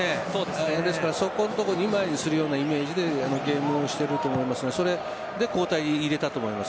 ですから底の所２枚にするようなイメージでゲームをしてると思いますがそれで交代入れたと思います。